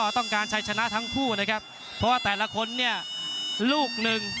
ต้องการใช้ชนะทั้งคู่นะครับเพราะว่าแต่ละคนเนี่ยลูกหนึ่ง